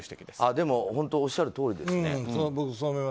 でも本当おっしゃるとおりですね。